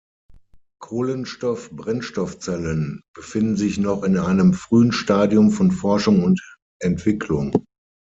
Kohlenstoff-Brennstoffzellen befinden sich noch in einem frühen Stadium von Forschung und Entwicklung.